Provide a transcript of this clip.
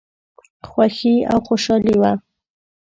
خوښي او خوشالي وه.